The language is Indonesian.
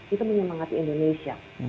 itu menyemangati indonesia